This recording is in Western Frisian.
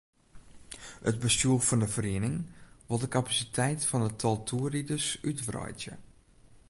It bestjoer fan de feriening wol de kapasiteit fan it tal toerriders útwreidzje.